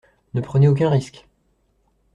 Ne prenez aucun risque.